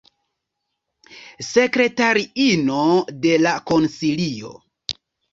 Sekretariino de la konsilio.